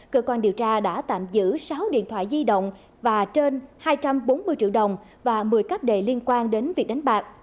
cơ quan điều tra đã tạm giữ sáu điện thoại di động và trên hai trăm bốn mươi triệu đồng và một mươi cá đề liên quan đến việc đánh bạc